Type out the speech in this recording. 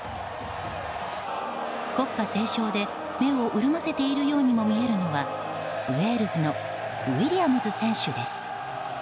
国歌斉唱で目を潤ませているようにも見えるのがウェールズのウィリアムズ選手です。